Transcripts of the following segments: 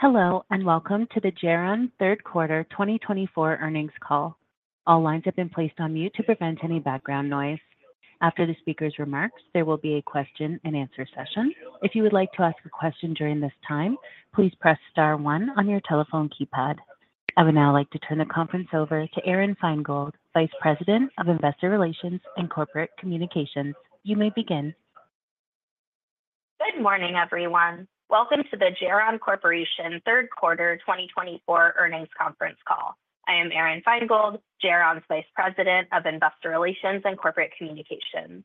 Hello and welcome to the Geron Q3 2024 earnings call. All lines have been placed on mute to prevent any background noise. After the speaker's remarks, there will be a question-and-answer session. If you would like to ask a question during this time, please press star one on your telephone keypad. I would now like to turn the conference over to Aron Feingold, Vice President of Investor Relations and Corporate Communications. You may begin. Good morning, everyone. Welcome to the Geron Corporation Q3 2024 earnings conference call. I am Aron Feingold, Geron's Vice President of Investor Relations and Corporate Communications.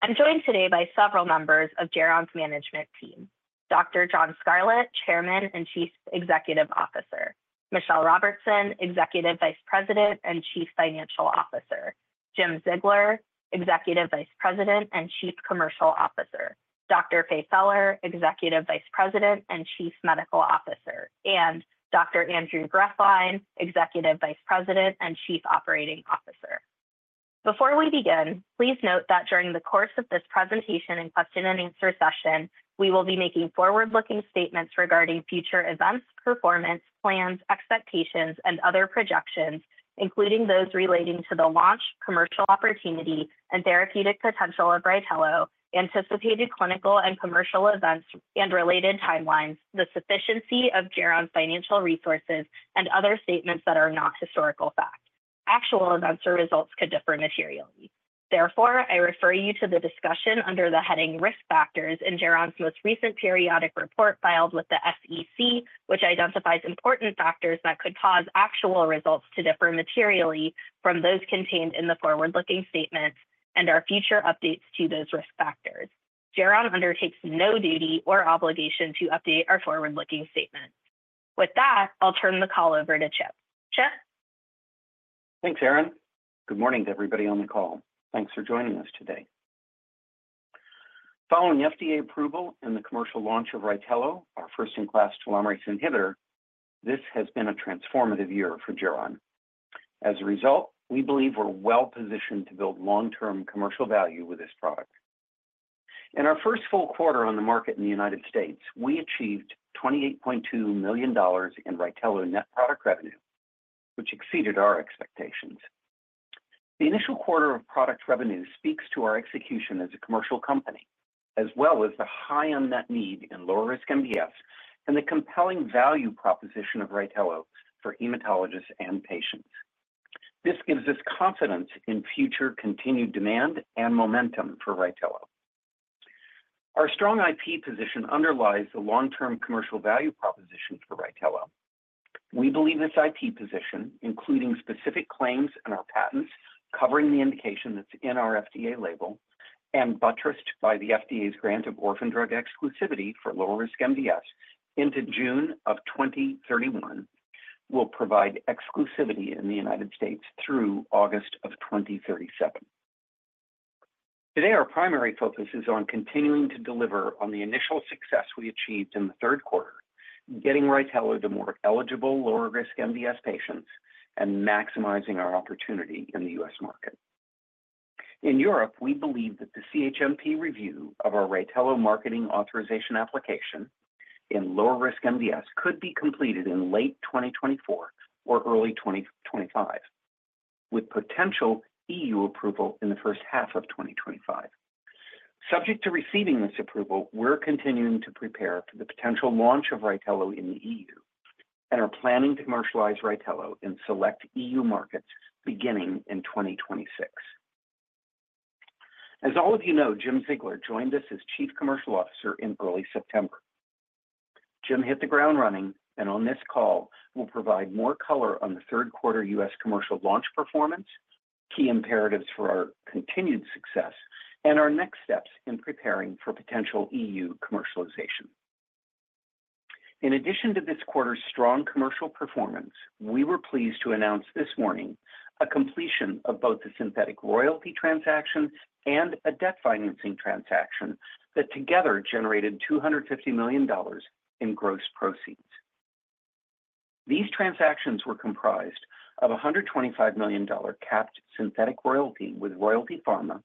I'm joined today by several members of Geron's management team: Dr. John Scarlett, Chairman and Chief Executive Officer, Michelle Robertson, Executive Vice President and Chief Financial Officer, Jim Ziegler, Executive Vice President and Chief Commercial Officer, Dr. Faye Feller, Executive Vice President and Chief Medical Officer, and Dr. Andrew Grethlein, Executive Vice President and Chief Operating Officer. Before we begin, please note that during the course of this presentation and question-and-answer session, we will be making forward-looking statements regarding future events, performance, plans, expectations, and other projections, including those relating to the launch, commercial opportunity, and therapeutic potential of RYTELO, anticipated clinical and commercial events and related timelines, the sufficiency of Geron's financial resources, and other statements that are not historical facts. Actual events or results could differ materially. Therefore, I refer you to the discussion under the heading "Risk Factors" in Geron's most recent periodic report filed with the SEC, which identifies important factors that could cause actual results to differ materially from those contained in the forward-looking statements and our future updates to those risk factors. Geron undertakes no duty or obligation to update our forward-looking statements. With that, I'll turn the call over to Chip. Chip. Thanks, Aron. Good morning, everybody on the call. Thanks for joining us today. Following FDA approval and the commercial launch of RYTELO, our first-in-class telomerase inhibitor, this has been a transformative year for Geron. As a result, we believe we're well-positioned to build long-term commercial value with this product. In our first full quarter on the market in the United States, we achieved $28.2 million in RYTELO net product revenue, which exceeded our expectations. The initial quarter of product revenue speaks to our execution as a commercial company, as well as the high unmet need in low-risk MDS and the compelling value proposition of RYTELO for hematologists and patients. This gives us confidence in future continued demand and momentum for RYTELO. Our strong IP position underlies the long-term commercial value proposition for RYTELO. We believe this IP position, including specific claims in our patents covering the indication that's in our FDA label and buttressed by the FDA's grant of orphan drug exclusivity for low-risk MDS into June of 2031, will provide exclusivity in the United States through August of 2037. Today, our primary focus is on continuing to deliver on the initial success we achieved in the Q3, getting RYTELO to more eligible lower-risk MDS patients and maximizing our opportunity in the U.S. market. In Europe, we believe that the CHMP review of our RYTELO marketing authorization application in lower-risk MDS could be completed in late 2024 or early 2025, with potential EU approval in the first half of 2025. Subject to receiving this approval, we're continuing to prepare for the potential launch of RYTELO in the EU and are planning to commercialize RYTELO in select EU markets beginning in 2026. As all of you know, Jim Ziegler joined us as Chief Commercial Officer in early September. Jim hit the ground running, and on this call, we'll provide more color on the Q3 U.S. commercial launch performance, key imperatives for our continued success, and our next steps in preparing for potential EU commercialization. In addition to this quarter's strong commercial performance, we were pleased to announce this morning a completion of both the synthetic royalty transaction and a debt financing transaction that together generated $250 million in gross proceeds. These transactions were comprised of a $125 million capped synthetic royalty with Royalty Pharma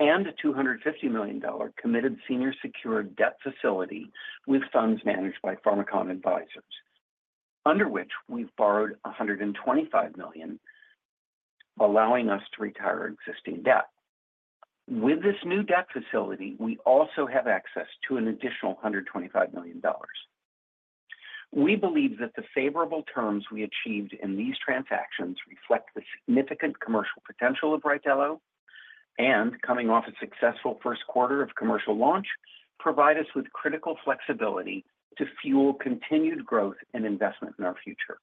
and a $250 million committed senior secured debt facility with funds managed by Pharmakon Advisors, under which we've borrowed $125 million, allowing us to retire existing debt. With this new debt facility, we also have access to an additional $125 million. We believe that the favorable terms we achieved in these transactions reflect the significant commercial potential of RYTELO and, coming off a successful Q1 of commercial launch, provide us with critical flexibility to fuel continued growth and investment in our future.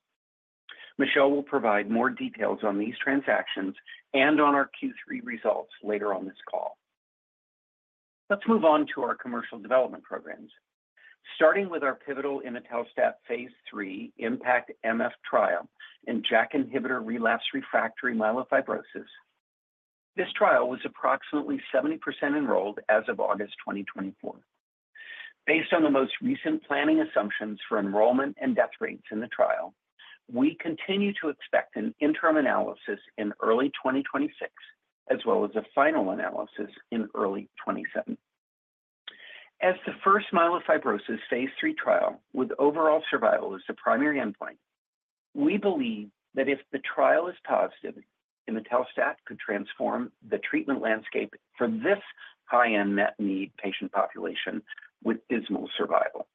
Michelle will provide more details on these transactions and on our Q3 results later on this call. Let's move on to our commercial development programs. Starting with our pivotal imetelstat phase III IMpactMF trial in JAK inhibitor relapsed refractory myelofibrosis, this trial was approximately 70% enrolled as of August 2024. Based on the most recent planning assumptions for enrollment and death rates in the trial, we continue to expect an interim analysis in early 2026, as well as a final analysis in early 2027. As the first myelofibrosis phase III trial with overall survival as the primary endpoint, we believe that if the trial is positive, imetelstat could transform the treatment landscape for this high unmet need patient population with dismal survival,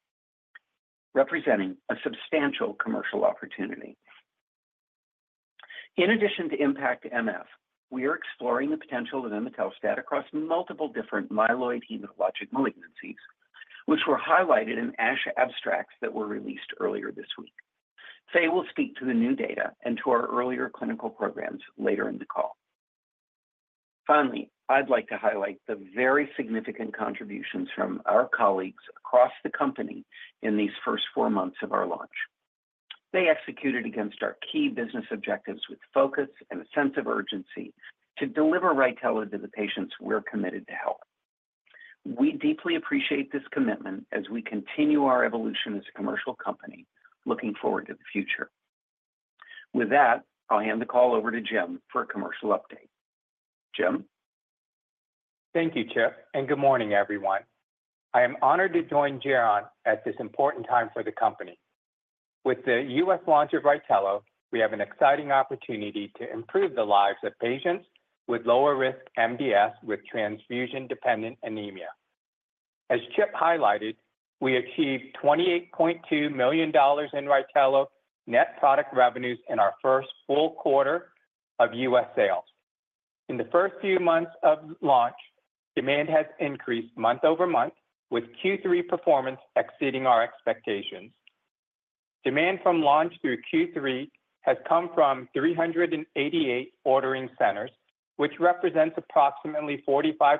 representing a substantial commercial opportunity. In addition to IMpactMF, we are exploring the potential of imetelstat across multiple different myeloid hematologic malignancies, which were highlighted in ASH abstracts that were released earlier this week. Faye will speak to the new data and to our earlier clinical programs later in the call. Finally, I'd like to highlight the very significant contributions from our colleagues across the company in these first four months of our launch. They executed against our key business objectives with focus and a sense of urgency to deliver RYTELO to the patients we're committed to help. We deeply appreciate this commitment as we continue our evolution as a commercial company, looking forward to the future. With that, I'll hand the call over to Jim for a commercial update. Jim? Thank you, Chip, and good morning, everyone. I am honored to join Geron at this important time for the company. With the U.S. launch of RYTELO, we have an exciting opportunity to improve the lives of patients with lower-risk MDS with transfusion-dependent anemia. As Chip highlighted, we achieved $28.2 million in RYTELO net product revenues in our first full quarter of U.S. sales. In the first few months of launch, demand has increased month over month, with Q3 performance exceeding our expectations. Demand from launch through Q3 has come from 388 ordering centers, which represents approximately 45%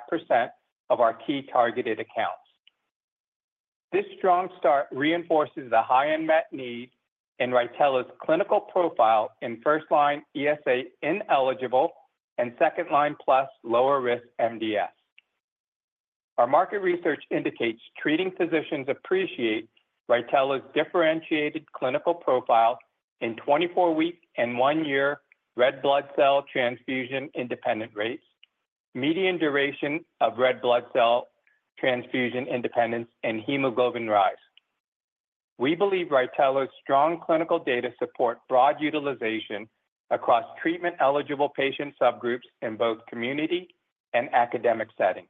of our key targeted accounts. This strong start reinforces the high unmet need in RYTELO's clinical profile in first-line ESA ineligible and second line plus lower-risk MDS. Our market research indicates treating physicians appreciate RYTELO's differentiated clinical profile in 24-week and one-year red blood cell transfusion-independent rates, median duration of red blood cell transfusion independence, and hemoglobin rise. We believe RYTELO's strong clinical data support broad utilization across treatment-eligible patient subgroups in both community and academic settings.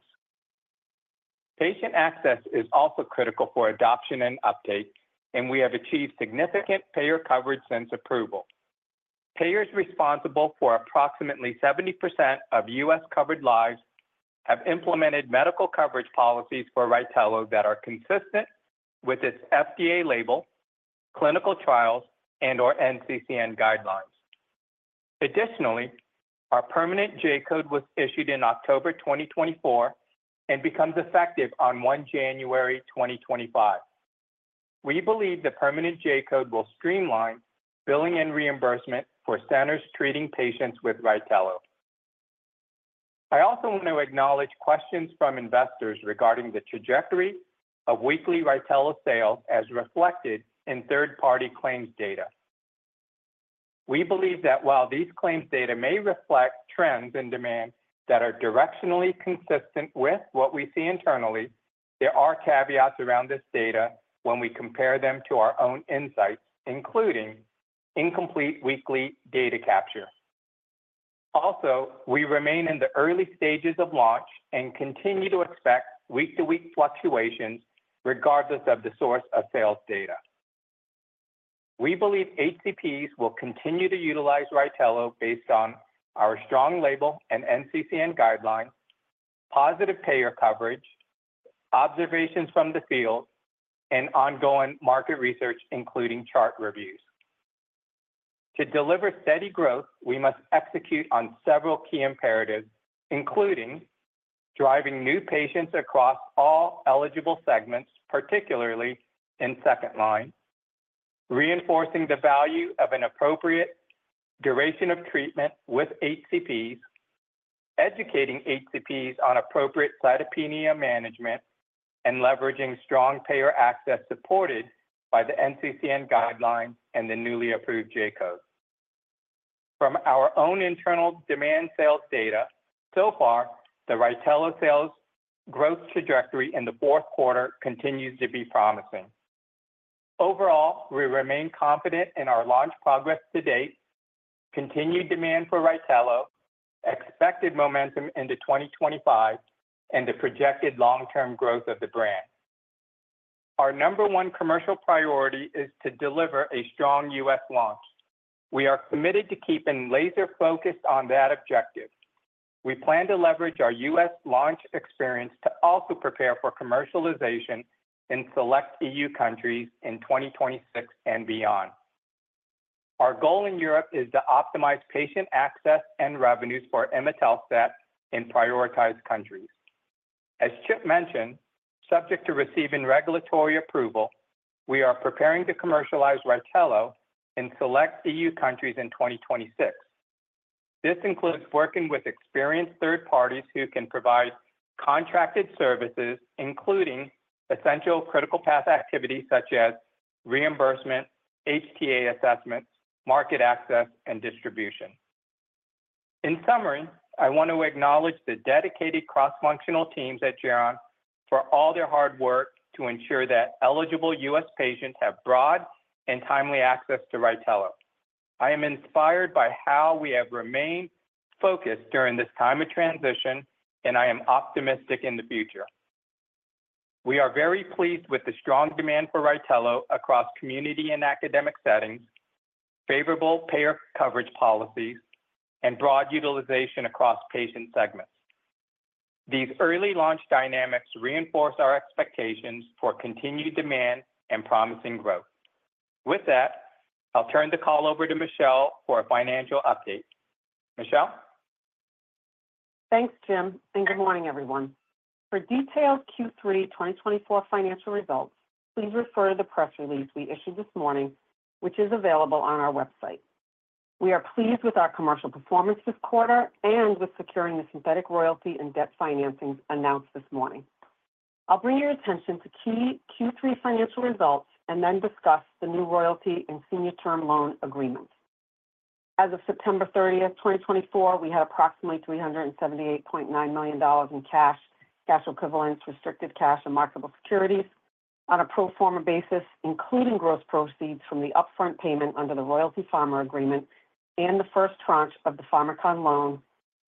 Patient access is also critical for adoption and uptake, and we have achieved significant payer coverage since approval. Payers responsible for approximately 70% of U.S.-covered lives have implemented medical coverage policies for RYTELO that are consistent with its FDA label, clinical trials, and/or NCCN guidelines. Additionally, our permanent J-code was issued in October 2024 and becomes effective on January 1, 2025. We believe the permanent J-code will streamline billing and reimbursement for centers treating patients with RYTELO. I also want to acknowledge questions from investors regarding the trajectory of weekly RYTELO sales as reflected in Q3 claims data. We believe that while these claims data may reflect trends in demand that are directionally consistent with what we see internally, there are caveats around this data when we compare them to our own insights, including incomplete weekly data capture. Also, we remain in the early stages of launch and continue to expect week-to-week fluctuations regardless of the source of sales data. We believe HCPs will continue to utilize RYTELO based on our strong label and NCCN guidelines, positive payer coverage, observations from the field, and ongoing market research, including chart reviews. To deliver steady growth, we must execute on several key imperatives, including driving new patients across all eligible segments, particularly in second line, reinforcing the value of an appropriate duration of treatment with HCPs, educating HCPs on appropriate cytopenia management, and leveraging strong payer access supported by the NCCN guidelines and the newly approved J-code. From our own internal demand sales data, so far, the RYTELO sales growth trajectory in the Q4 continues to be promising. Overall, we remain confident in our launch progress to date, continued demand for RYTELO, expected momentum into 2025, and the projected long-term growth of the brand. Our number one commercial priority is to deliver a strong U.S. launch. We are committed to keeping laser-focused on that objective. We plan to leverage our U.S. launch experience to also prepare for commercialization in select EU countries in 2026 and beyond. Our goal in Europe is to optimize patient access and revenues for imetelstat in prioritized countries. As Chip mentioned, subject to receiving regulatory approval, we are preparing to commercialize RYTELO in select EU countries in 2026. This includes working with experienced third parties who can provide contracted services, including essential critical path activities such as reimbursement, HTA assessments, market access, and distribution. In summary, I want to acknowledge the dedicated cross-functional teams at Geron for all their hard work to ensure that eligible U.S. patients have broad and timely access to RYTELO. I am inspired by how we have remained focused during this time of transition, and I am optimistic in the future. We are very pleased with the strong demand for RYTELO across community and academic settings, favorable payer coverage policies, and broad utilization across patient segments. These early launch dynamics reinforce our expectations for continued demand and promising growth. With that, I'll turn the call over to Michelle for a financial update. Michelle? Thanks, Jim, and good morning, everyone. For detailed Q3 2024 financial results, please refer to the press release we issued this morning, which is available on our website. We are pleased with our commercial performance this quarter and with securing the synthetic royalty and debt financing announced this morning. I'll bring your attention to key Q3 financial results and then discuss the new royalty and senior term loan agreements. As of September 30th, 2024, we had approximately $378.9 million in cash, cash equivalents, restricted cash, and marketable securities on a pro forma basis, including gross proceeds from the upfront payment under the Royalty Pharma agreement and the first tranche of the Pharmakon loan,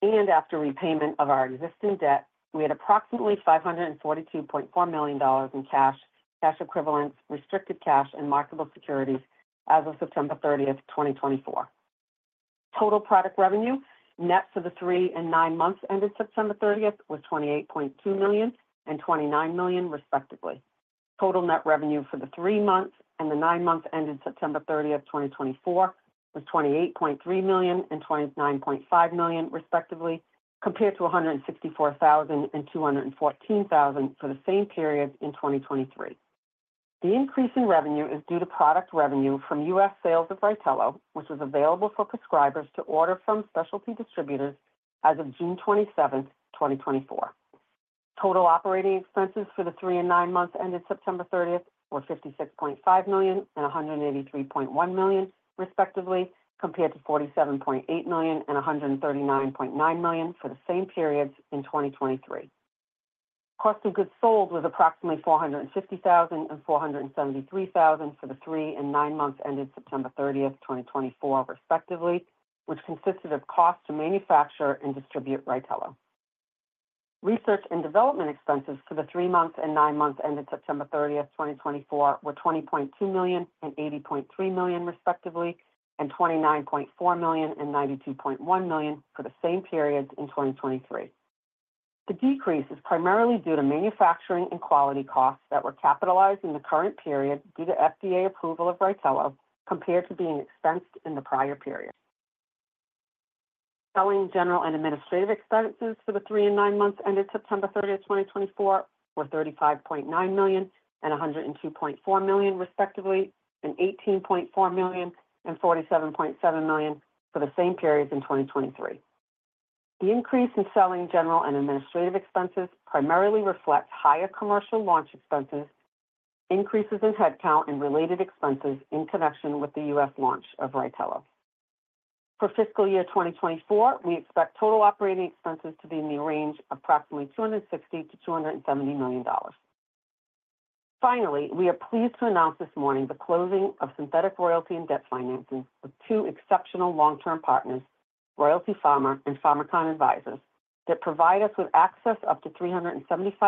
and after repayment of our existing debt, we had approximately $542.4 million in cash, cash equivalents, restricted cash, and marketable securities as of September 30th, 2024. Total product revenue net for the three and nine months ended September 30th was $28.2 million and $29 million, respectively. Total net revenue for the three months and the nine months ended September 30th, 2024, was $28.3 million and $29.5 million, respectively, compared to $164,000 and $214,000 for the same period in 2023. The increase in revenue is due to product revenue from U.S. sales of RYTELO, which was available for prescribers to order from specialty distributors as of June 27th, 2024. Total operating expenses for the three and nine months ended September 30th were $56.5 million and $183.1 million, respectively, compared to $47.8 million and $139.9 million for the same periods in 2023. Cost of goods sold was approximately $450,000 and $473,000 for the three and nine months ended September 30th, 2024, respectively, which consisted of cost to manufacture and distribute RYTELO. Research and development expenses for the three months and nine months ended September 30th, 2024, were $20.2 million and $80.3 million, respectively, and $29.4 million and $92.1 million for the same periods in 2023. The decrease is primarily due to manufacturing and quality costs that were capitalized in the current period due to FDA approval of RYTELO compared to being expensed in the prior period. Selling, general, and administrative expenses for the three and nine months ended September 30th, 2024, were $35.9 million and $102.4 million, respectively, and $18.4 million and $47.7 million for the same periods in 2023. The increase in selling, general, and administrative expenses primarily reflects higher commercial launch expenses, increases in headcount, and related expenses in connection with the U.S. launch of RYTELO. For fiscal year 2024, we expect total operating expenses to be in the range of approximately $260 million-$270 million. Finally, we are pleased to announce this morning the closing of synthetic royalty and debt financing with two exceptional long-term partners, Royalty Pharma and Pharmakon Advisors, that provide us with access up to $375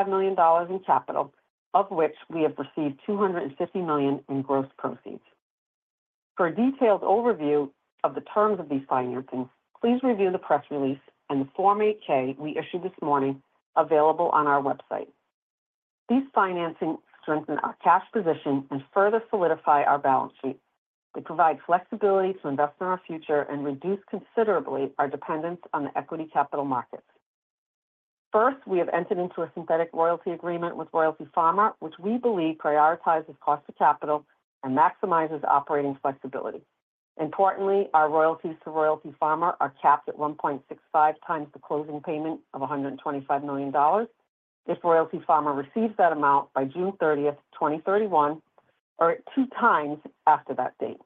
million in capital, of which we have received $250 million in gross proceeds. For a detailed overview of the terms of these financings, please review the press release and the Form 8-K we issued this morning available on our website. These financings strengthen our cash position and further solidify our balance sheet. They provide flexibility to invest in our future and reduce considerably our dependence on the equity capital markets. First, we have entered into a synthetic royalty agreement with Royalty Pharma, which we believe prioritizes cost to capital and maximizes operating flexibility. Importantly, our royalties to Royalty Pharma are capped at 1.65x the closing payment of $125 million. If Royalty Pharma receives that amount by June 30th, 2031, or at two times after that date.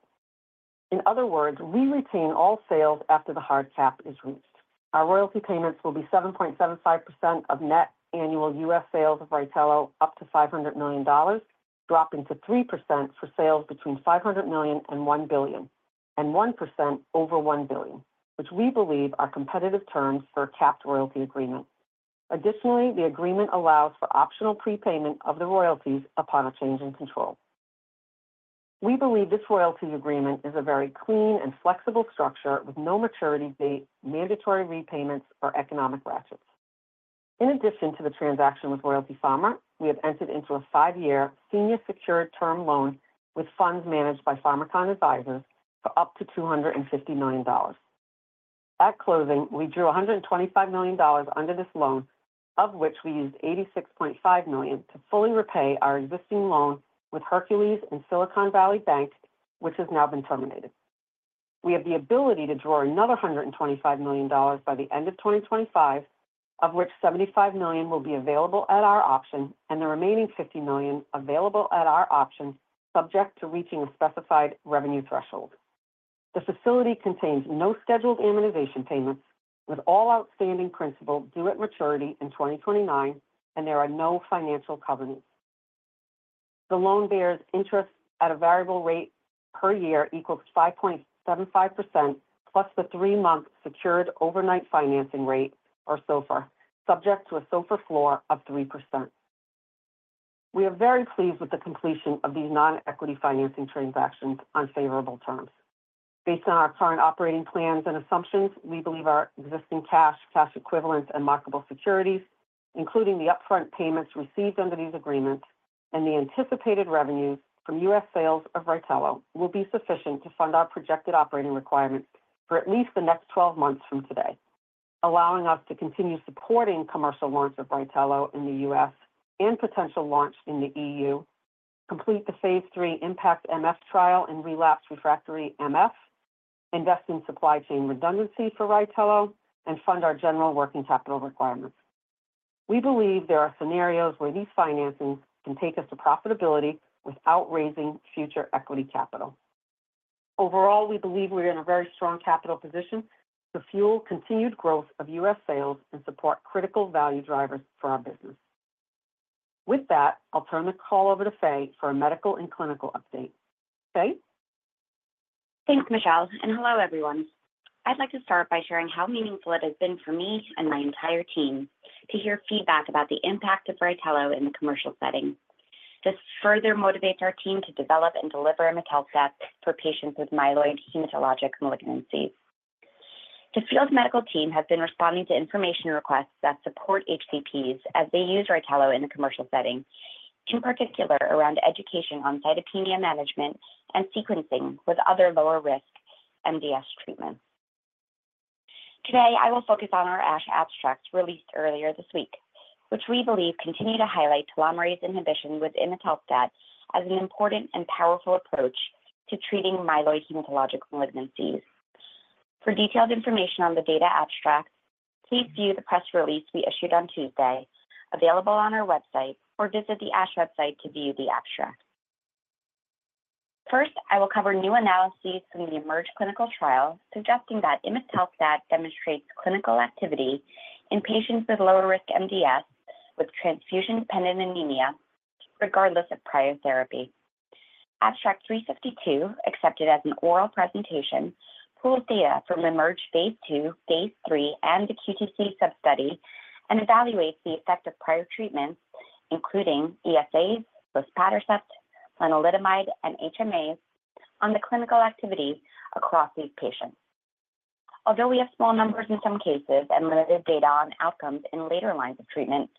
In other words, we retain all sales after the hard cap is reached. Our royalty payments will be 7.75% of net annual U.S. sales of RYTELO up to $500 million, dropping to 3% for sales between $500 million and $1 billion, and 1% over $1 billion, which we believe are competitive terms for a capped royalty agreement. Additionally, the agreement allows for optional prepayment of the royalties upon a change in control. We believe this royalty agreement is a very clean and flexible structure with no maturity date, mandatory repayments, or economic ratchets. In addition to the transaction with Royalty Pharma, we have entered into a five-year senior secured term loan with funds managed by Pharmakon Advisors for up to $250 million. At closing, we drew $125 million under this loan, of which we used $86.5 million to fully repay our existing loan with Hercules and Silicon Valley Bank, which has now been terminated. We have the ability to draw another $125 million by the end of 2025, of which $75 million will be available at our option and the remaining $50 million available at our option, subject to reaching a specified revenue threshold. The facility contains no scheduled amortization payments, with all outstanding principal due at maturity in 2029, and there are no financial covenants. The loan bears interest at a variable rate per year equals 5.75% plus the three-month Secured Overnight Financing Rate or SOFR, subject to a SOFR floor of 3%. We are very pleased with the completion of these non-equity financing transactions on favorable terms. Based on our current operating plans and assumptions, we believe our existing cash, cash equivalents, and marketable securities, including the upfront payments received under these agreements and the anticipated revenues from U.S. sales of RYTELO, will be sufficient to fund our projected operating requirements for at least the next 12 months from today, allowing us to continue supporting commercial launch of RYTELO in the U.S. and potential launch in the EU, complete the phase III IMpactMF trial and relapsed refractory MF, invest in supply chain redundancy for RYTELO, and fund our general working capital requirements. We believe there are scenarios where these financings can take us to profitability without raising future equity capital. Overall, we believe we are in a very strong capital position to fuel continued growth of U.S. sales and support critical value drivers for our business. With that, I'll turn the call over to Faye for a medical and clinical update. Faye? Thanks, Michelle, and hello, everyone. I'd like to start by sharing how meaningful it has been for me and my entire team to hear feedback about the impact of RYTELO in the commercial setting. This further motivates our team to develop and deliver imetelstat for patients with myeloid hematologic malignancies. The field medical team has been responding to information requests that support HCPs as they use RYTELO in the commercial setting, in particular around education on cytopenia management and sequencing with other lower-risk MDS treatments. Today, I will focus on our ASH abstracts released earlier this week, which we believe continue to highlight telomerase inhibition with imetelstat as an important and powerful approach to treating myeloid hematologic malignancies. For detailed information on the data abstract, please view the press release we issued on Tuesday, available on our website, or visit the ASH website to view the abstract. First, I will cover new analyses from the IMerge clinical trial suggesting that imetelstat demonstrates clinical activity in patients with lower-risk MDS with transfusion-dependent anemia, regardless of prior therapy. Abstract 352, accepted as an oral presentation, pools data from IMerge phase II, phase III, and the QTc sub-study and evaluates the effect of prior treatments, including ESAs, luspatercept, lenalidomide, and HMAs, on the clinical activity across these patients. Although we have small numbers in some cases and limited data on outcomes in later lines of treatment,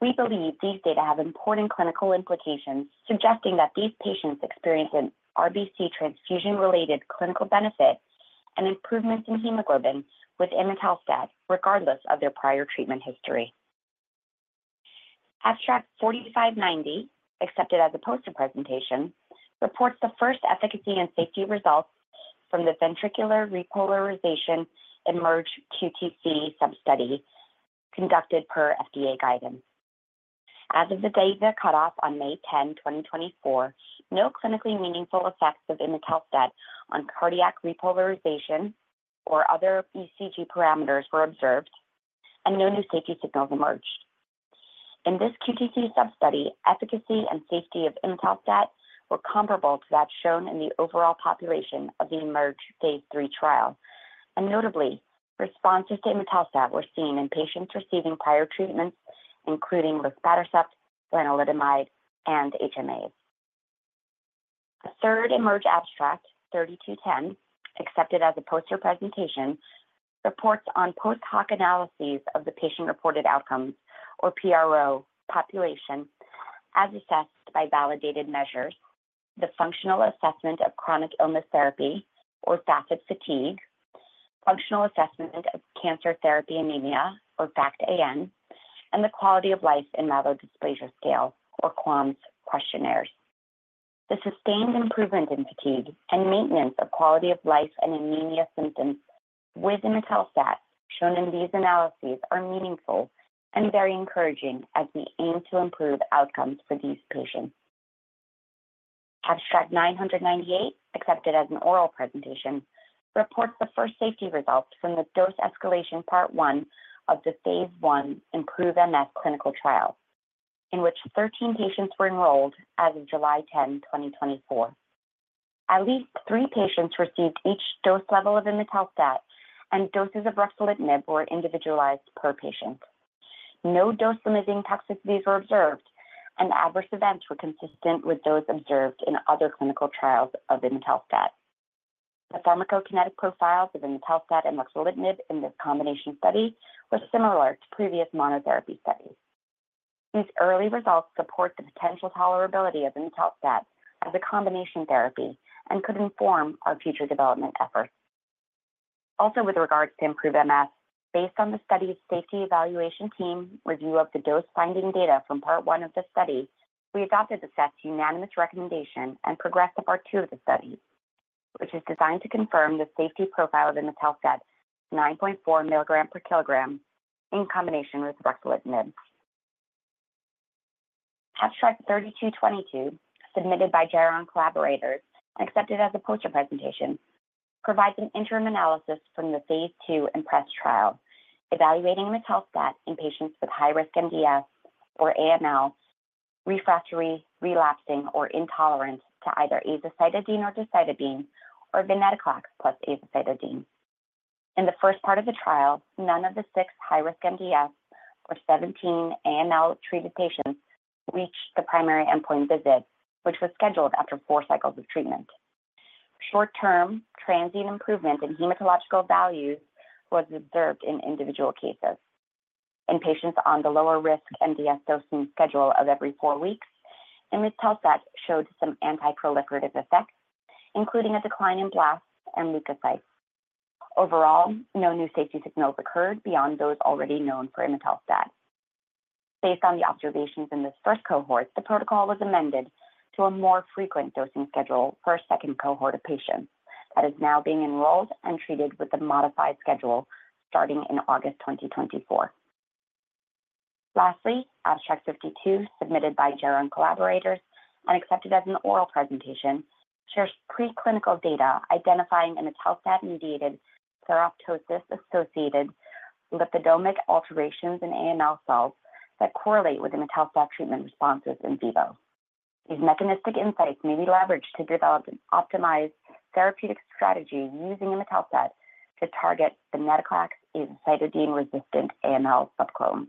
we believe these data have important clinical implications suggesting that these patients experience an RBC transfusion-related clinical benefit and improvements in hemoglobin with imetelstat, regardless of their prior treatment history. Abstract 4590, accepted as a poster presentation, reports the first efficacy and safety results from the ventricular repolarization IMerge QTc sub-study conducted per FDA guidance. As of the data cutoff on May 10, 2024, no clinically meaningful effects of imetelstat on cardiac repolarization or other ECG parameters were observed, and no new safety signals emerged. In this QTc sub-study, efficacy and safety of imetelstat were comparable to that shown in the overall population of the IMerge phase III trial, and notably, responses to imetelstat were seen in patients receiving prior treatments, including ESAs, lenalidomide, and HMAs. The third IMerge abstract, 3210, accepted as a poster presentation, reports on post-hoc analyses of the patient-reported outcomes, or PRO population, as assessed by validated measures, the Functional Assessment of Chronic Illness Therapy, or FACIT-Fatigue, Functional Assessment of Cancer Therapy Anemia, or FACT-An, and the Quality of Life in Myelodysplasia Scale, or QUALMS questionnaires. The sustained improvement in fatigue and maintenance of quality of life and anemia symptoms with imetelstat shown in these analyses are meaningful and very encouraging as we aim to improve outcomes for these patients. Abstract 998, accepted as an oral presentation, reports the first safety results from the dose escalation part one of the phase I IMproveMF clinical trial, in which 13 patients were enrolled as of July 10, 2024. At least three patients received each dose level of imetelstat, and doses of ruxolitinib were individualized per patient. No dose-limiting toxicities were observed, and adverse events were consistent with those observed in other clinical trials of imetelstat. The pharmacokinetic profiles of imetelstat and ruxolitinib in this combination study were similar to previous monotherapy studies. These early results support the potential tolerability of imetelstat as a combination therapy and could inform our future development efforts. Also, with regards to IMproveMF, based on the study's Safety Evaluation Team review of the dose-finding data from part one of the study, we adopted the SET's unanimous recommendation and progressed to part two of the study, which is designed to confirm the safety profile of imetelstat 9.4 mg per kilogram in combination with ruxolitinib. Abstract 3222, submitted by Geron collaborators and accepted as a poster presentation, provides an interim analysis from the phase II IMpress trial evaluating imetelstat in patients with high-risk MDS or AML refractory, relapsing, or intolerant to either azacitidine or decitabine or venetoclax plus azacitidine. In the first part of the trial, none of the six high-risk MDS or 17 AML-treated patients reached the primary endpoint visit, which was scheduled after four cycles of treatment. Short-term transient improvement in hematological values was observed in individual cases. In patients on the lower-risk MDS dosing schedule of every four weeks, imetelstat showed some anti-proliferative effects, including a decline in blasts and leukocytes. Overall, no new safety signals occurred beyond those already known for imetelstat. Based on the observations in this first cohort, the protocol was amended to a more frequent dosing schedule for a second cohort of patients that is now being enrolled and treated with the modified schedule starting in August 2024. Lastly, Abstract 52, submitted by Geron collaborators and accepted as an oral presentation, shares preclinical data identifying imetelstat-mediated ferroptosis-associated lipidomic alterations in AML cells that correlate with imetelstat treatment responses in vivo. These mechanistic insights may be leveraged to develop an optimized therapeutic strategy using imetelstat to target venetoclax azacitidine-resistant AML subclones.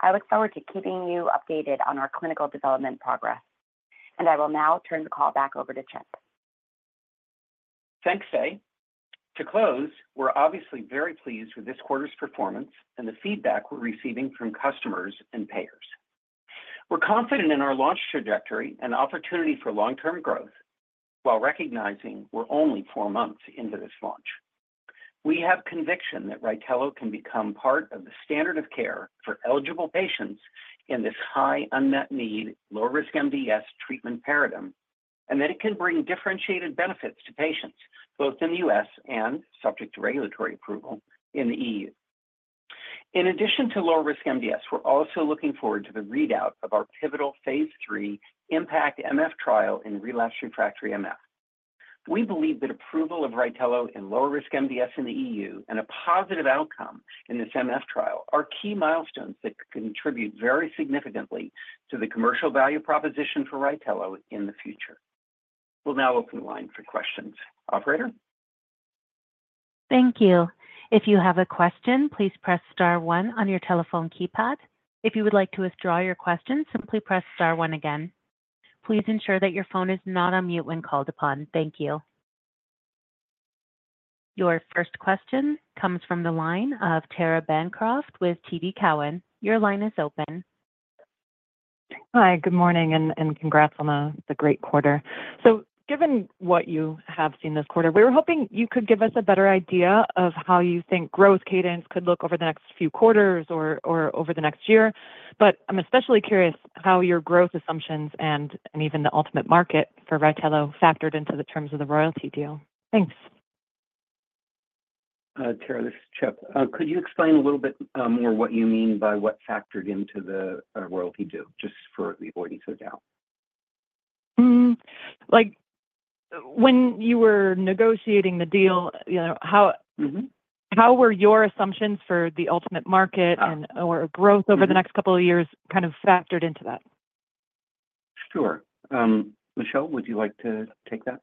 I look forward to keeping you updated on our clinical development progress, and I will now turn the call back over to Chip. Thanks, Faye. To close, we're obviously very pleased with this quarter's performance and the feedback we're receiving from customers and payers. We're confident in our launch trajectory and opportunity for long-term growth while recognizing we're only four months into this launch. We have conviction that RYTELO can become part of the standard of care for eligible patients in this high unmet need, low-risk MDS treatment paradigm, and that it can bring differentiated benefits to patients both in the U.S. and, subject to regulatory approval, in the EU. In addition to low-risk MDS, we're also looking forward to the readout of our pivotal phase III IMpactMF trial in relapsed refractory MF. We believe that approval of RYTELO in lower-risk MDS in the EU and a positive outcome in this MF trial are key milestones that contribute very significantly to the commercial value proposition for RYTELO in the future. We'll now open the line for questions. Operator? Thank you. If you have a question, please press star one on your telephone keypad. If you would like to withdraw your question, simply press star one again. Please ensure that your phone is not on mute when called upon. Thank you. Your first question comes from the line of Tara Bancroft with TD Cowen. Your line is open. Hi, good morning, and congrats on the great quarter. So given what you have seen this quarter, we were hoping you could give us a better idea of how you think growth cadence could look over the next few quarters or over the next year. But I'm especially curious how your growth assumptions and even the ultimate market for RYTELO factored into the terms of the royalty deal. Thanks. Tara, this is Chip. Could you explain a little bit more what you mean by what factored into the royalty deal, just for the avoidance of doubt? When you were negotiating the deal, how were your assumptions for the ultimate market or growth over the next couple of years kind of factored into that? Sure. Michelle, would you like to take that?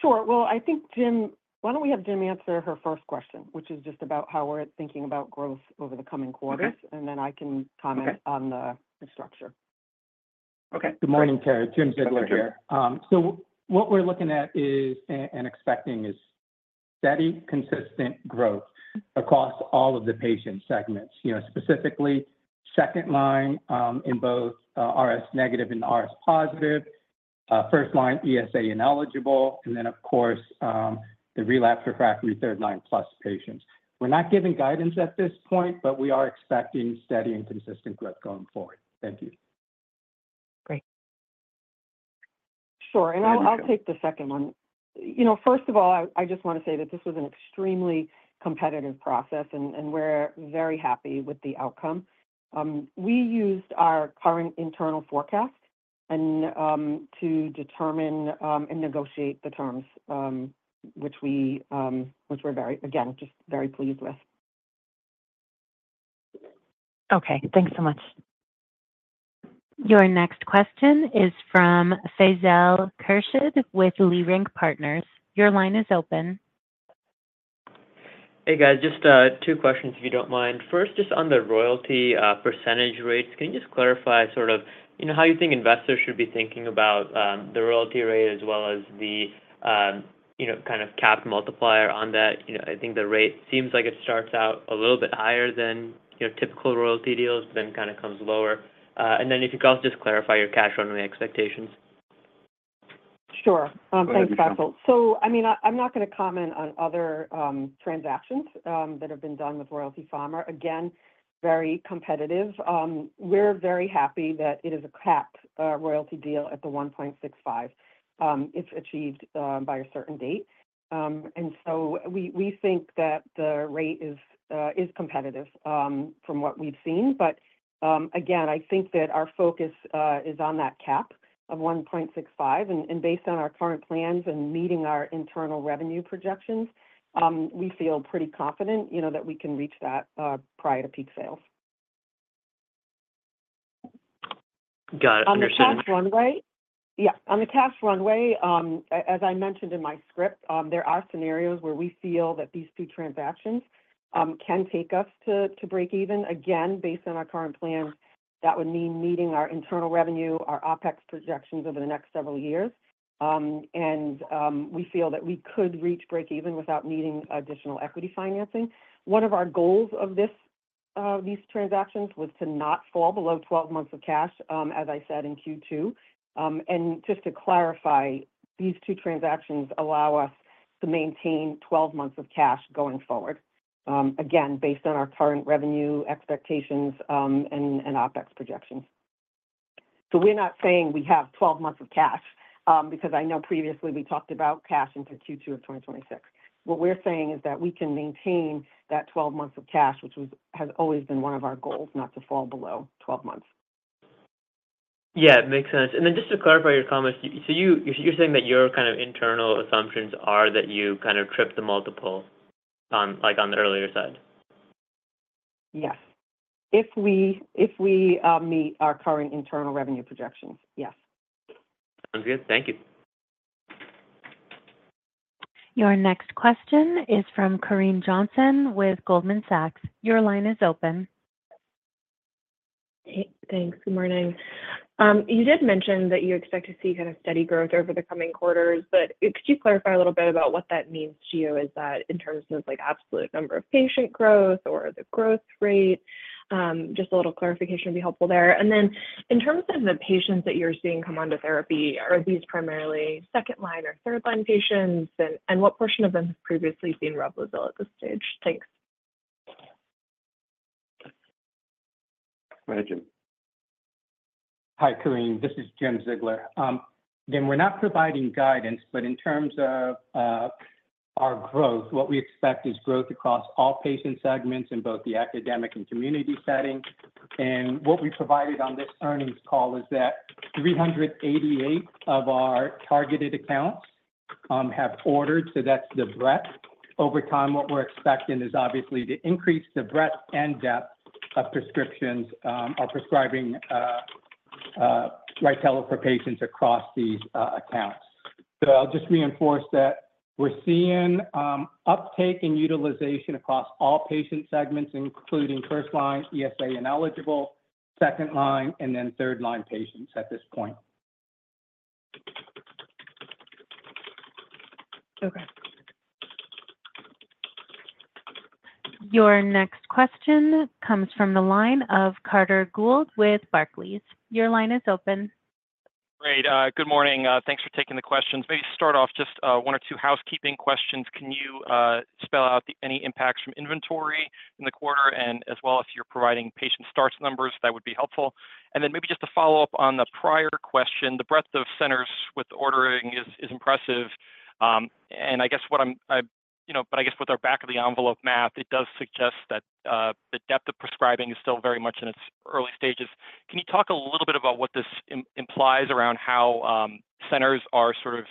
Sure. I think, Jim, why don't we have Jim answer her first question, which is just about how we're thinking about growth over the coming quarters, and then I can comment on the structure. Okay. Good morning, Tara. Jim Ziegler here. So what we're looking at and expecting is steady, consistent growth across all of the patient segments, specifically second line in both RS-negative and RS-positive, first line ESA ineligible, and then, of course, the relapse refractory third line plus patients. We're not giving guidance at this point, but we are expecting steady and consistent growth going forward. Thank you. Great. Sure, and I'll take the second one. First of all, I just want to say that this was an extremely competitive process, and we're very happy with the outcome. We used our current internal forecast to determine and negotiate the terms, which we're very, again, just very pleased with. Okay. Thanks so much. Your next question is from Faisal Khurshid with Leerink Partners. Your line is open. Hey, guys. Just two questions, if you don't mind. First, just on the royalty percentage rates, can you just clarify sort of how you think investors should be thinking about the royalty rate as well as the kind of cap multiplier on that? I think the rate seems like it starts out a little bit higher than typical royalty deals, but then kind of comes lower, and then if you could also just clarify your cash on-hand expectations. Sure. Thanks, Faisal. So I mean, I'm not going to comment on other transactions that have been done with Royalty Pharma. Again, very competitive. We're very happy that it is a cap royalty deal at the 1.65 if achieved by a certain date. And so we think that the rate is competitive from what we've seen. But again, I think that our focus is on that cap of 1.65. And based on our current plans and meeting our internal revenue projections, we feel pretty confident that we can reach that prior to peak sales. Got it. Understood. On the cash runway, yeah, on the cash runway, as I mentioned in my script, there are scenarios where we feel that these two transactions can take us to break even. Again, based on our current plans, that would mean meeting our internal revenue, our OpEx projections over the next several years. And we feel that we could reach breakeven without needing additional equity financing. One of our goals of these transactions was to not fall below 12 months of cash, as I said in Q2. And just to clarify, these two transactions allow us to maintain 12 months of cash going forward, again, based on our current revenue expectations and OpEx projections. So we're not saying we have 12 months of cash because I know previously we talked about cash into Q2 of 2026. What we're saying is that we can maintain that 12 months of cash, which has always been one of our goals, not to fall below 12 months. Yeah, it makes sense. Then just to clarify your comments, so you're saying that your kind of internal assumptions are that you kind of trip the multiple on the earlier side? Yes. If we meet our current internal revenue projections, yes. Sounds good. Thank you. Your next question is from Corinne Johnson with Goldman Sachs. Your line is open. Hey, thanks. Good morning. You did mention that you expect to see kind of steady growth over the coming quarters. But could you clarify a little bit about what that means to you in terms of absolute number of patient growth or the growth rate? Just a little clarification would be helpful there. And then in terms of the patients that you're seeing come on to therapy, are these primarily second line or third line patients? And what portion of them have previously seen ruxolitinib at this stage? Thanks. Go ahead, Jim. Hi, Corinne. This is Jim Ziegler. Again, we're not providing guidance, but in terms of our growth, what we expect is growth across all patient segments in both the academic and community setting, and what we provided on this earnings call is that 388 of our targeted accounts have ordered, so that's the breadth. Over time, what we're expecting is obviously to increase the breadth and depth of prescriptions or prescribing RYTELO for patients across these accounts, so I'll just reinforce that we're seeing uptake and utilization across all patient segments, including first line ESA ineligible, second line, and then third line patients at this point. Okay. Your next question comes from the line of Carter Gould with Barclays. Your line is open. Great. Good morning. Thanks for taking the questions. Maybe start off just one or two housekeeping questions. Can you spell out any impacts from inventory in the quarter and as well if you're providing patient starts numbers? That would be helpful. And then maybe just to follow up on the prior question, the breadth of centers with ordering is impressive. And I guess with our back-of-the-envelope math, it does suggest that the depth of prescribing is still very much in its early stages. Can you talk a little bit about what this implies around how centers are sort of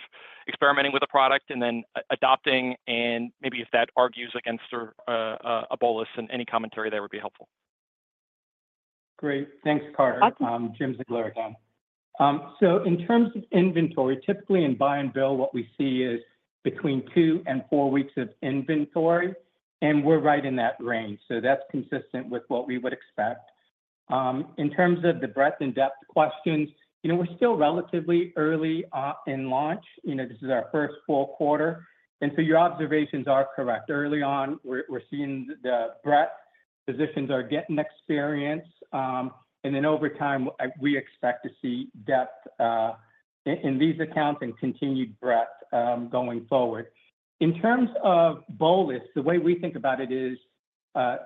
experimenting with a product and then adopting? And maybe if that argues against a bolus, any commentary there would be helpful. Great. Thanks, Carter. Jim Ziegler again, so in terms of inventory, typically in buy and bill, what we see is between two and four weeks of inventory, and we're right in that range, so that's consistent with what we would expect. In terms of the breadth and depth questions, we're still relatively early in launch. This is our first full quarter, and so your observations are correct. Early on, we're seeing the breadth. Physicians are getting experience, and then over time, we expect to see depth in these accounts and continued breadth going forward. In terms of bolus, the way we think about it is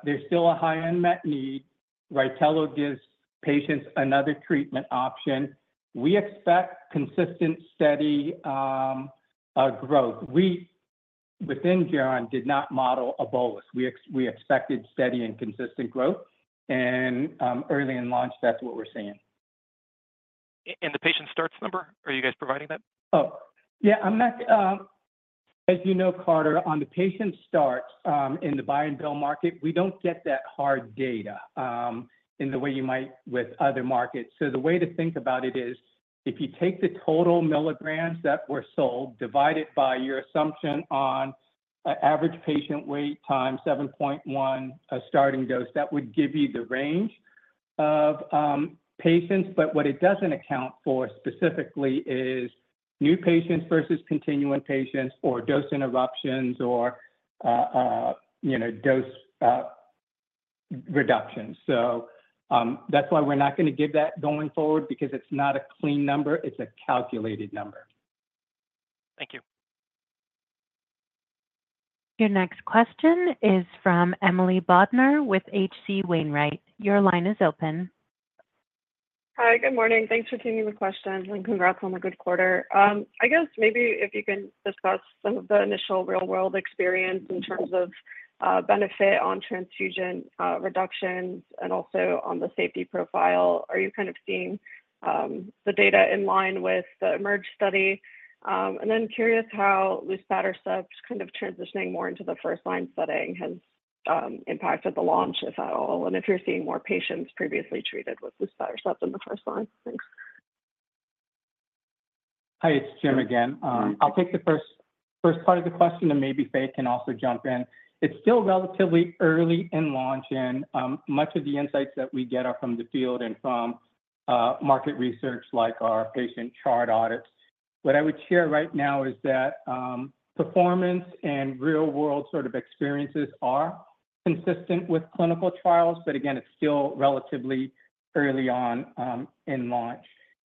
there's still a high unmet need. RYTELO gives patients another treatment option. We expect consistent, steady growth. We, within Geron, did not model a bolus. We expected steady and consistent growth, and early in launch, that's what we're seeing. The patient starts number. Are you guys providing that? Oh, yeah. As you know, Carter, on the patient starts in the buy and bill market, we don't get that hard data in the way you might with other markets. So the way to think about it is if you take the total milligrams that were sold divided by your assumption on average patient weight times 7.1 starting dose, that would give you the range of patients. But what it doesn't account for specifically is new patients versus continuing patients or dose interruptions or dose reductions. So that's why we're not going to give that going forward because it's not a clean number. It's a calculated number. Thank you. Your next question is from Emily Bodnar with H.C. Wainwright. Your line is open. Hi. Good morning. Thanks for taking the question and congrats on the good quarter. I guess maybe if you can discuss some of the initial real-world experience in terms of benefit on transfusion reductions and also on the safety profile. Are you kind of seeing the data in line with the IMerge study? And then curious how luspatercept kind of transitioning more into the first line setting has impacted the launch, if at all, and if you're seeing more patients previously treated with luspatercept in the first line. Thanks. Hi. It's Jim again. I'll take the first part of the question and maybe Faye can also jump in. It's still relatively early in launch, and much of the insights that we get are from the field and from market research like our patient chart audits. What I would share right now is that performance and real-world sort of experiences are consistent with clinical trials, but again, it's still relatively early on in launch,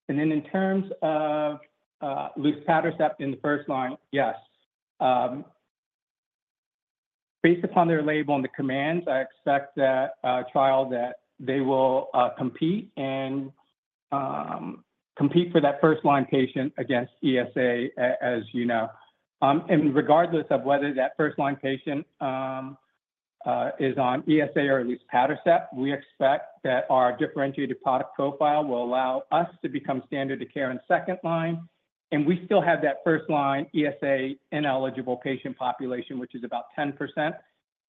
and then in terms of luspatercept in the first line, yes. Based upon their label and the compendia, I expect that they will compete for that first line patient against ESA, as you know. And regardless of whether that first line patient is on ESA or luspatercept, we expect that our differentiated product profile will allow us to become standard of care in second line. We still have that first line ESA ineligible patient population, which is about 10%,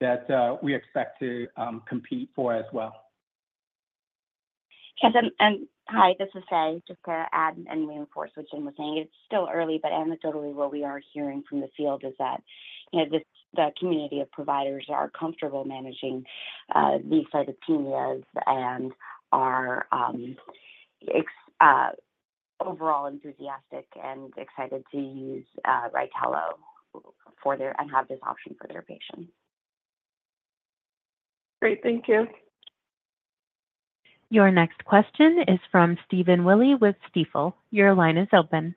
that we expect to compete for as well. Hi, this is Faye. Just to add and reinforce what Jim was saying. It's still early, but anecdotally, what we are hearing from the field is that the community of providers are comfortable managing these cytopenias and are overall enthusiastic and excited to use RYTELO and have this option for their patients. Great. Thank you. Your next question is from Stephen Willey with Stifel. Your line is open.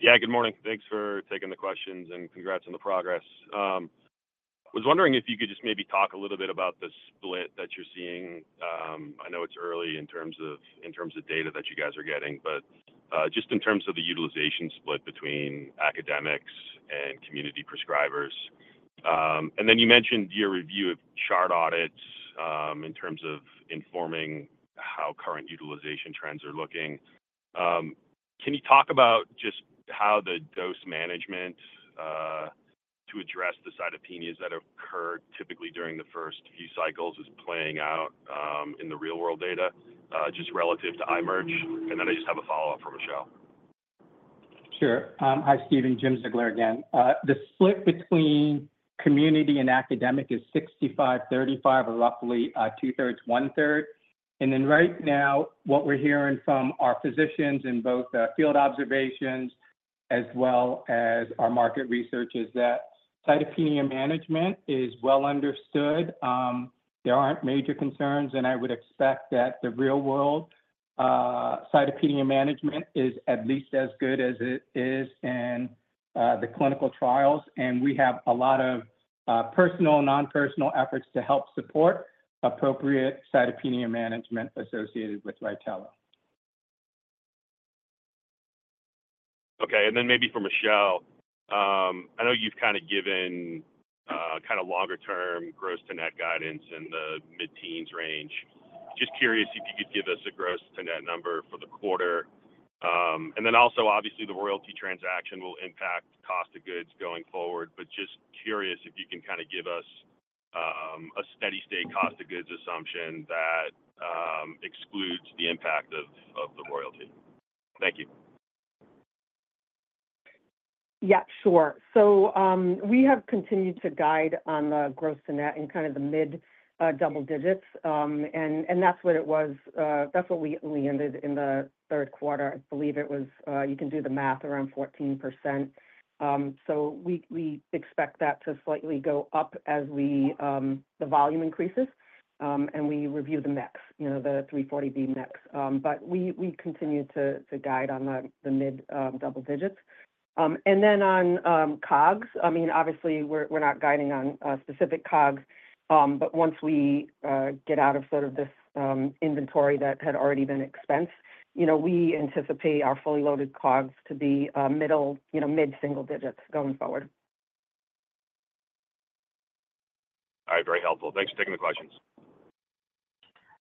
Yeah. Good morning. Thanks for taking the questions and congrats on the progress. I was wondering if you could just maybe talk a little bit about the split that you're seeing. I know it's early in terms of data that you guys are getting, but just in terms of the utilization split between academics and community prescribers. And then you mentioned your review of chart audits in terms of informing how current utilization trends are looking. Can you talk about just how the dose management to address the cytopenias that occur typically during the first few cycles is playing out in the real-world data just relative to IMerge? And then I just have a follow-up from Michelle. Sure. Hi, Stephen. Jim Ziegler again. The split between community and academic is 65-35 or roughly 2/3, 1/3. Right now, what we're hearing from our physicians in both field observations as well as our market research is that cytopenia management is well understood. There aren't major concerns. I would expect that the real-world cytopenia management is at least as good as it is in the clinical trials. We have a lot of personal and non-personal efforts to help support appropriate cytopenia management associated with RYTELO. Okay. And then maybe for Michelle, I know you've kind of given kind of longer-term gross-to-net guidance in the mid-teens range. Just curious if you could give us a gross-to-net number for the quarter. And then also, obviously, the royalty transaction will impact cost of goods going forward, but just curious if you can kind of give us a steady-state cost of goods assumption that excludes the impact of the royalty. Thank you. Yeah. Sure. So we have continued to guide on the gross-to-net in kind of the mid-double digits. And that's what it was. That's what we ended in the third quarter. I believe it was. You can do the math around 14%. So we expect that to slightly go up as the volume increases, and we review the mix, the 340B mix. But we continue to guide on the mid-double digits. And then on COGS, I mean, obviously, we're not guiding on specific COGS, but once we get out of sort of this inventory that had already been expensed, we anticipate our fully loaded COGS to be mid-single digits going forward. All right. Very helpful. Thanks for taking the questions.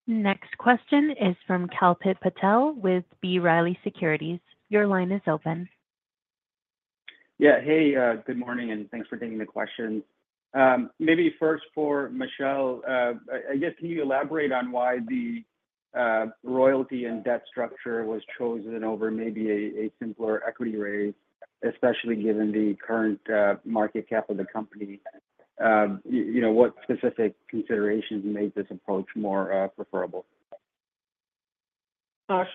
Next question is from Kalpit Patel with B. Riley Securities. Your line is open. Yeah. Hey, good morning, and thanks for taking the questions. Maybe first for Michelle, I guess can you elaborate on why the royalty and debt structure was chosen over maybe a simpler equity raise, especially given the current market cap of the company? What specific considerations made this approach more preferable?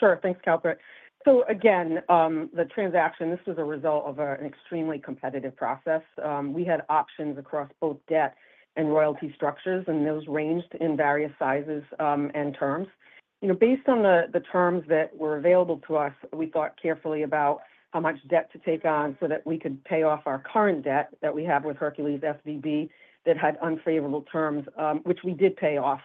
Sure. Thanks, Kalpit. So again, the transaction, this was a result of an extremely competitive process. We had options across both debt and royalty structures, and those ranged in various sizes and terms. Based on the terms that were available to us, we thought carefully about how much debt to take on so that we could pay off our current debt that we have with Hercules SVB that had unfavorable terms, which we did pay off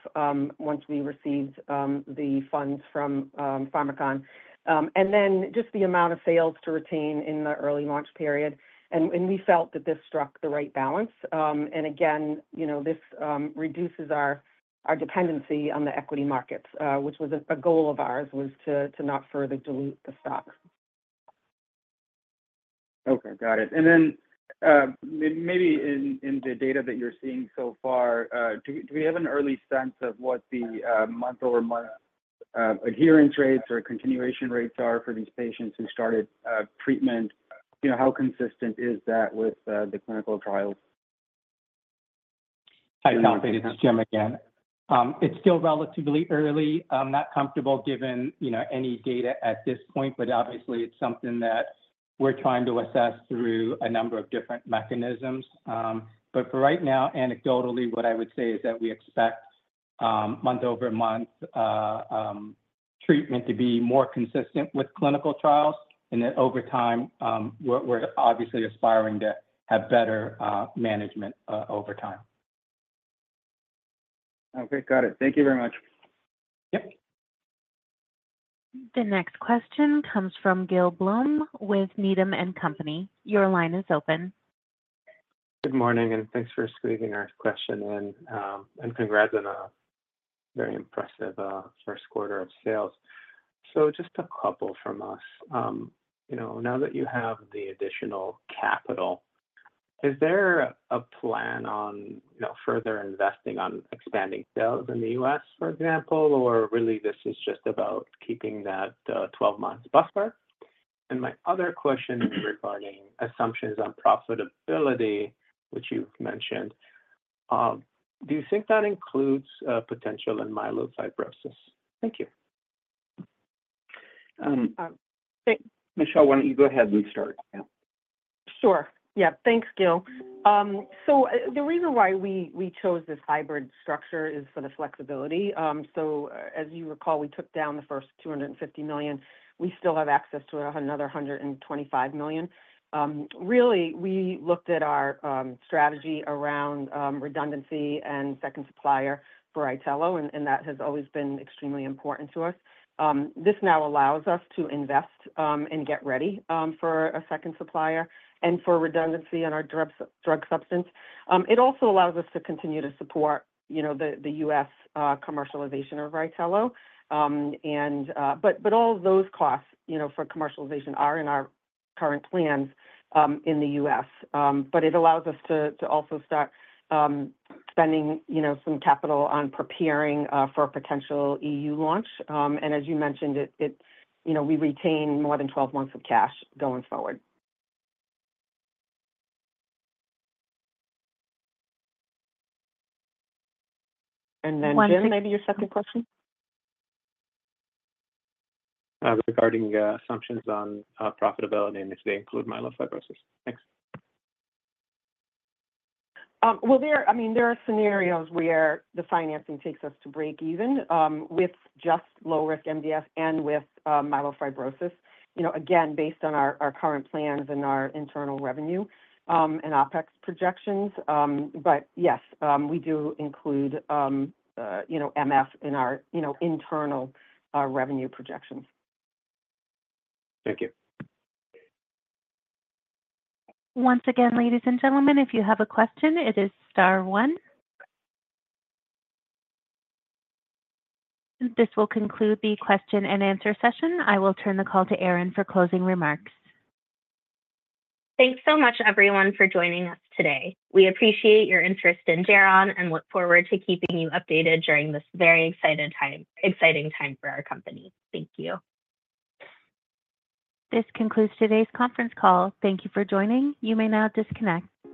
once we received the funds from Pharmakon. And then just the amount of sales to retain in the early launch period. And we felt that this struck the right balance. And again, this reduces our dependency on the equity markets, which was a goal of ours, was to not further dilute the stock. Okay. Got it. And then maybe in the data that you're seeing so far, do we have an early sense of what the month-over-month adherence rates or continuation rates are for these patients who started treatment? How consistent is that with the clinical trials? Hi, Kalpit. It's Jim again. It's still relatively early. I'm not comfortable giving any data at this point, but obviously, it's something that we're trying to assess through a number of different mechanisms. But for right now, anecdotally, what I would say is that we expect month-over-month treatment to be more consistent with clinical trials. And then over time, we're obviously aspiring to have better management over time. Okay. Got it. Thank you very much. Yep. The next question comes from Gil Blum with Needham & Company. Your line is open. Good morning, and thanks for squeezing our question in. And congrats on a very impressive first quarter of sales. So just a couple from us. Now that you have the additional capital, is there a plan on further investing on expanding sales in the U.S., for example, or really this is just about keeping that 12-month buffer? And my other question regarding assumptions on profitability, which you've mentioned, do you think that includes potential in myelofibrosis? Thank you. Michelle, why don't you go ahead and start? Sure. Yeah. Thanks, Gil. So the reason why we chose this hybrid structure is for the flexibility. So as you recall, we took down the first $250 million. We still have access to another $125 million. Really, we looked at our strategy around redundancy and second supplier for RYTELO, and that has always been extremely important to us. This now allows us to invest and get ready for a second supplier and for redundancy in our drug substance. It also allows us to continue to support the U.S. commercialization of RYTELO. But all those costs for commercialization are in our current plans in the U.S. But it allows us to also start spending some capital on preparing for a potential EU launch. And as you mentioned, we retain more than 12 months of cash going forward. And then Gil, what's your second question? Regarding assumptions on profitability and if they include myelofibrosis? Thanks. I mean, there are scenarios where the financing takes us to break even with just low-risk MDS and with myelofibrosis, again, based on our current plans and our internal revenue and OpEx projections. But yes, we do include MF in our internal revenue projections. Thank you. Once again, ladies and gentlemen, if you have a question, it is star one. This will conclude the question-and-answer session. I will turn the call to Aron for closing remarks. Thanks so much, everyone, for joining us today. We appreciate your interest in Geron and look forward to keeping you updated during this very exciting time for our company. Thank you. This concludes today's conference call. Thank you for joining. You may now disconnect.